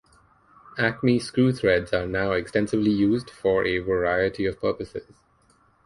Acme screw threads are now extensively used for a variety of purposes.